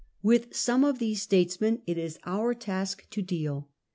With some of these states men it is our task to deal.